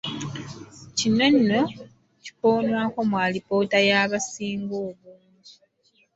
Kino nno kikoonwako mu alipoota y’abasinga obungi.